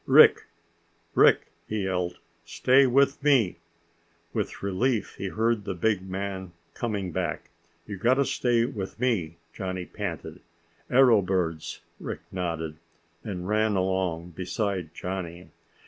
"Rick, Rick," he yelled, "stay with me." With relief he heard the big man coming back. "You gotta stay with me," Johnny panted. "Arrow birds." Rick nodded, and ran along beside Johnny.